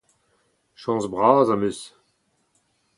Chañs bras am eus.